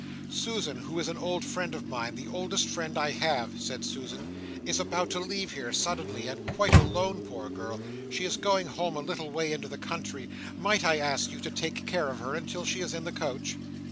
"Susan, who is an old friend of mine, the oldest friend I have," said Florence, "is about to leave here suddenly, and quite alone, poor girl. She is going home, a little way into the country. Might I ask you to take care of her until she is in the coach?"